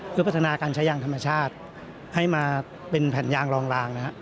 เพื่อพัฒนาการใช้ยางธรรมชาติให้มาเป็นแผ่นยางรองรางนะฮะ